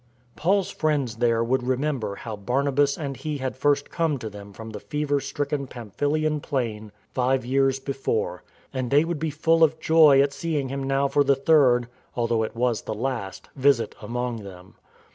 Paul's friends there would remember how Barna bas and he had first come to them from the fever stricken Pamphylian plain five years before, and they would be full of joy at seeing him now for the third (although it was the last) visit among them.